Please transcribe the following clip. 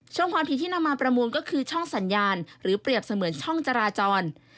ความผิดที่นำมาประมูลก็คือช่องสัญญาณหรือเปรียบเสมือนช่องจราจร